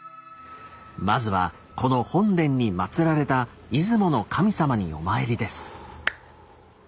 まずはこの本殿に祭られた出雲の神様にお参りです。